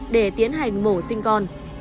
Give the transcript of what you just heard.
để tiến hành mổ sinh con